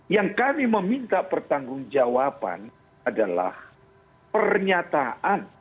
yang kami meminta pertanggung jawaban adalah pernyataan